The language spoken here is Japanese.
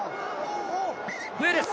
笛です。